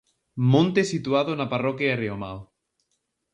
Monte situado na parroquia de Riomao.